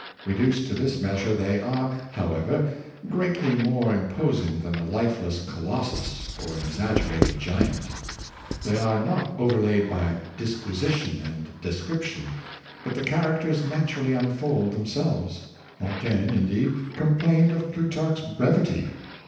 Reduced to this measure, they are, however, greatly more imposing than a lifeless Colossus or an exaggerated giant. They are not overlaid by disquisition and description, but the characters naturally unfold themselves. Montaigne, in deed, complained of Plutarch's brevity.